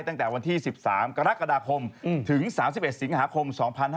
ตั้งแต่วันที่๑๓กรกฎาคมถึง๓๑สิงหาคม๒๕๕๙